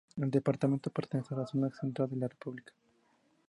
El departamento pertenece a la zona central de la república.